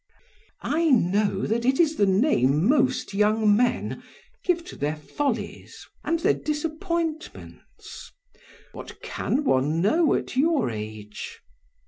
"I know that it is the name most young men give to their follies and their disappointments; what can one know at your age?"